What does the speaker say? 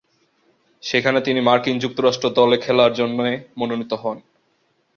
সেখানে তিনি মার্কিন যুক্তরাষ্ট্র দলে খেলার জন্যে মনোনীত হন।